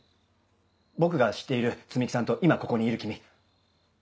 僕が知っている摘木さんと今ここにいる君。